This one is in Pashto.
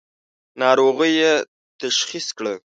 ناروغۍ یې تشخیص کړه.